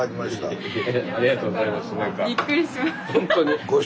ありがとうございますなんか。